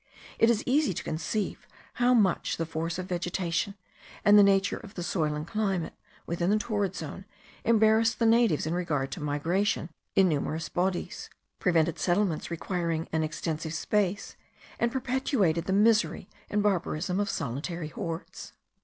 It is easy to conceive how much the force of vegetation, and the nature of the soil and climate, within the torrid zone, embarrassed the natives in regard to migration in numerous bodies, prevented settlements requiring an extensive space, and perpetuated the misery and barbarism of solitary hordes.